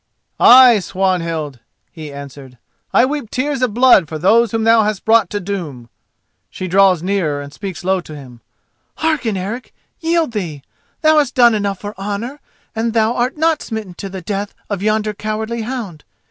"Ay, Swanhild," he answered, "I weep tears of blood for those whom thou hast brought to doom." She draws nearer and speaks low to him: "Hearken, Eric. Yield thee! Thou hast done enough for honour, and thou art not smitten to the death of yonder cowardly hound.